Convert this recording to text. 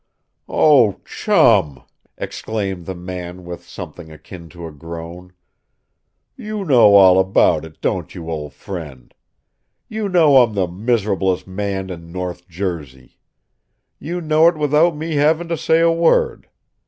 "Oh, CHUM!" exclaimed the man with something akin to a groan. "You know all about it, don't you, old friend? You know I'm the miser'blest man in North Jersey. You know it without me having to say a word.